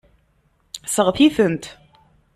Seɣti-tent.